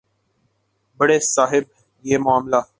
بڑے صاحب یہ معاملہ